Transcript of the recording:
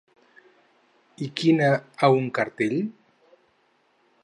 I quina a un cartell?